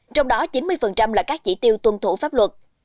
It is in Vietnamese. trong đó chín mươi là các chỉ tiêu tuân thủ pháp luật